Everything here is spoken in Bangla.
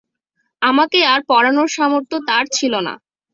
আমাকে আর পড়ানর সামর্থ্য তাঁর ছিল না।